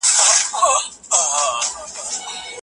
د بدن بوی د تودوخې سره هم بدلیدلی شي.